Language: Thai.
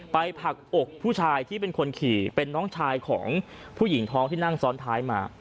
ผลักอกผู้ชายที่เป็นคนขี่เป็นน้องชายของผู้หญิงท้องที่นั่งซ้อนท้ายมา